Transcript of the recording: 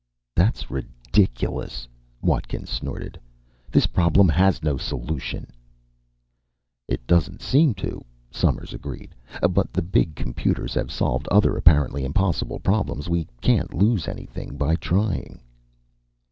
"That's ridiculous," Watkins snorted. "This problem has no solution." "It doesn't seem to," Somers agreed. "But the big computers have solved other apparently impossible problems. We can't lose anything by trying."